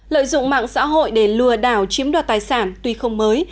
lợi dụng mạng xã hội để lừa đảo chiếm đoạt tài sản tuy không mới